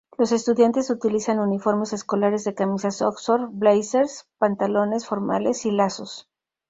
Los estudiantes utilizan uniformes escolares de camisas oxford, blazers, pantalones formales, y lazos.